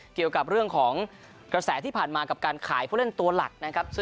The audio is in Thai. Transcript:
เกี่ยวกับเรื่องของกระแสที่ผ่านมากับการขายผู้เล่นตัวหลักนะครับ